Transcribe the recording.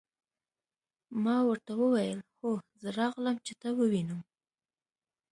ما ورته وویل: هو زه راغلم، چې ته ووینم.